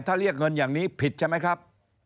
ถ้าเรียกเงินอย่างนี้ผิดใช่ไหมครับ